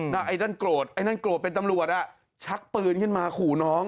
ไอ้นั่นโกรธไอ้นั่นโกรธเป็นตำรวจชักปืนขึ้นมาขู่น้อง